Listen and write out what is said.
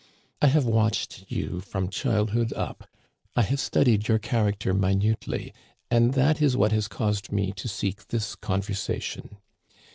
I have watched you from child hood up ; I have studied your character minutely, and that is what has caused me to seek this conversation.